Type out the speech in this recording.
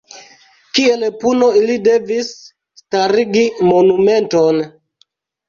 Kiel puno ili devis starigi monumenton.